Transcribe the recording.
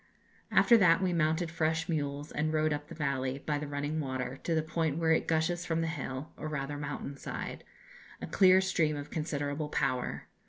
"After that we mounted fresh mules, and rode up the valley, by the running water, to the point where it gushes from the hill, or rather mountain, side a clear stream of considerable power.